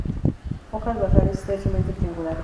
Hojas basales estrechamente triangulares.